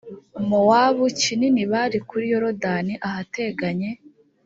mowabu kinini bari kuri yorodani ahateganye